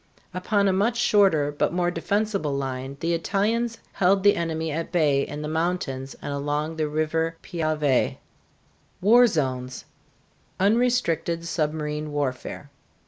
Upon a much shorter but more defensible line the Italians held the enemy at bay in the mountains and along the river Piave (pyah´vā). [Illustration: WAR ZONES] UNRESTRICTED SUBMARINE WARFARE.